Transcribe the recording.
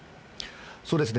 そうですね。